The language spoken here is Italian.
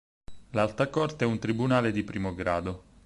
L'Alta corte è un tribunale di primo grado.